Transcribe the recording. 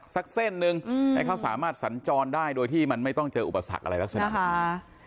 เส้นหนึ่งให้เขาสามารถสัญจรได้โดยที่มันไม่ต้องเจออุปสรรคอะไรลักษณะแบบนี้